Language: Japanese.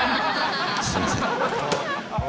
すみません。